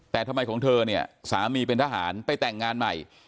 แต่ทำไมของเธอเนี่ยสามีเป็นทหารไปแต่งงานใหม่